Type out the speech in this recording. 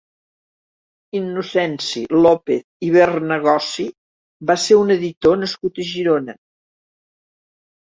Innocenci López i Bernagossi va ser un editor nascut a Girona.